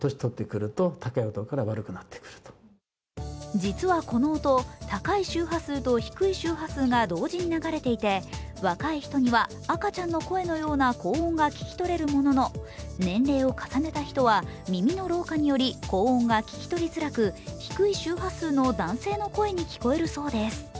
実はこの音、高い周波数と低い周波数が同時に流れていて若い人には赤ちゃんのような高音が聞き取れるものの年齢を重ねた人は耳の老化により高温が聞き取りにくく、低い周波数の男性の声に聞こえるようです。